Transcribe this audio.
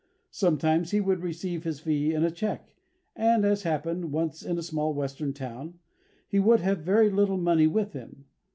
Sometimes he would receive his fee in a cheque, and, as happened once in a small Western town, he would have very little money with him.